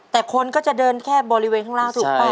แต่คนก็จะเดินแค่บริเวณข้างล่างถูกป่ะ